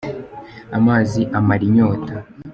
Amazi amara inyota.